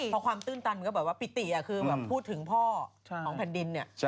พอความตื้นตันมันก็แบบว่าปิติคือแบบพูดถึงพ่อของแผ่นดินเนี่ย